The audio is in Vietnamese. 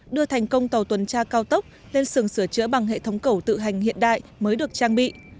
đưa thành công tàu tuần tra cao tốc lên sườn sửa chữa bằng hệ thống cầu tự hành hiện đại mới được trang bị